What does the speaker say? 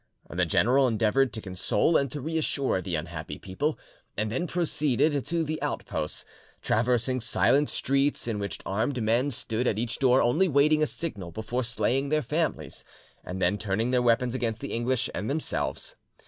The general endeavoured to console and to reassure the unhappy people, and then proceeded to the outposts, traversing silent streets in which armed men stood at each door only waiting a signal before slaying their families, and then turning their weapons against the English and themselves.